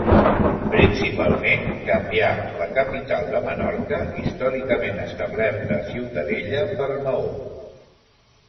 Principalment, canvià la capital de Menorca, històricament establerta a Ciutadella, per Maó.